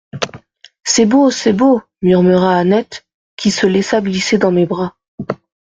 «C'est beau ! c'est beau !» murmura Annette qui se laissa glisser dans mes bras.